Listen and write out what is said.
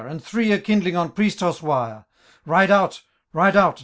And three are kindling on Priesthaughswire ; Ride out, ride out.